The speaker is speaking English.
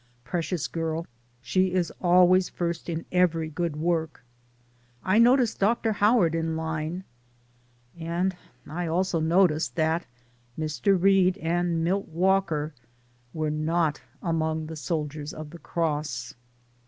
Precious girl, she is al ways first in every good work. I noticed Dr. Howard in line^ and I also noticed that Mr. Reade and Milt Walker were not among the soldiers of the cross.